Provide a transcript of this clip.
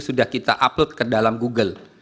sudah kita upload ke dalam google